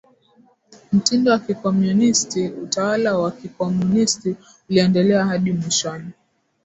mtindo wa kikomunisti Utawala wa kikomunisti uliendelea hadi Mwishoni